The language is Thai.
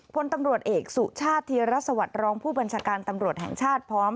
พลตำรวจเอกสุชาติธีรสวัสดิ์รองผู้บัญชาการตำรวจแห่งชาติพร้อม